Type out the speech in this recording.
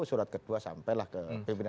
surat kedua sampelah ke pimpinan dewan